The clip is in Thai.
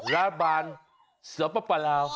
ราบาลเสือปะปะลาว